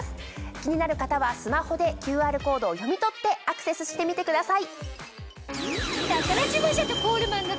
気になる方はスマホでＱＲコードを読み取ってアクセスしてみてください。